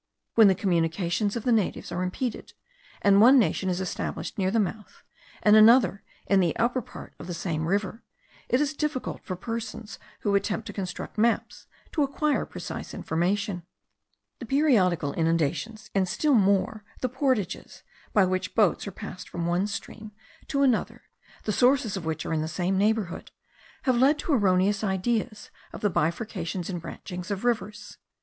When the communications of the natives are impeded, and one nation is established near the mouth, and another in the upper part of the same river, it is difficult for persons who attempt to construct maps to acquire precise information. The periodical inundations, and still more the portages, by which boats are passed from one stream to another, the sources of which are in the same neighbourhood, have led to erroneous ideas of the bifurcations and branchings of rivers.